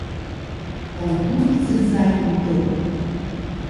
Лгәы нҭӡыӡааит Мкыд.